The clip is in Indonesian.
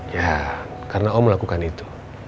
ya karena om melakukan itu